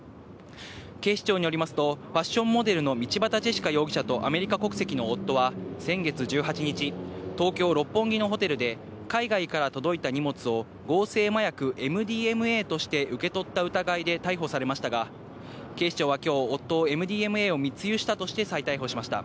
警視庁によりますと、ファッションモデルの道端ジェシカ容疑者と、アメリカ国籍の夫は、先月１８日、東京・六本木のホテルで海外から届いた荷物を、合成麻薬ＭＤＭＡとして受け取った疑いで逮捕されましたが、警視庁はきょう、ＭＤＭＡを密輸したとして再逮捕しました。